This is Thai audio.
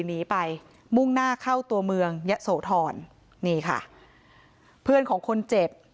หนีไปมุ่งหน้าเข้าตัวเมืองยะโสธรนี่ค่ะเพื่อนของคนเจ็บ